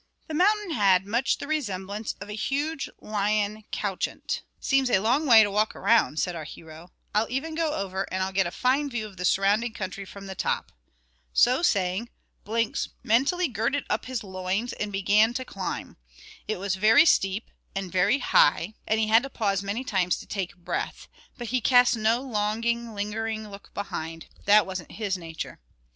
The mountain had much the resemblance of a huge lion couchant. "Seems a long way to walk round," said our hero; "I'll even go over, and I'll get a fine view of the surrounding country from the top." So saying, Blinks mentally girded up his loins, and began to climb. It was very steep, and very high, and he had to pause many times to take breath; but he cast no longing lingering look behind, that wasn't his nature.